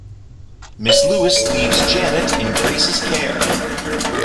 Miss Lewis leaves Janet in Grace's care.